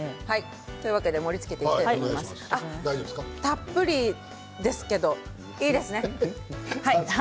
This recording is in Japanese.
たっぷりですけど、いいですね。